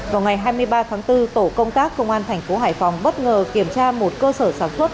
vào ngày hai mươi ba tháng bốn tổ công tác công an thành phố hải phòng bất ngờ kiểm tra một cơ sở sản xuất